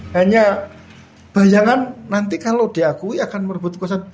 hanya bayangan nanti kalau diakui akan merebut kekuasaan